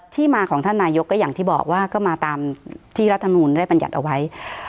ที่มาของท่านนายกก็อย่างที่บอกว่าก็มาตามที่รัฐมนูลได้บรรยัติเอาไว้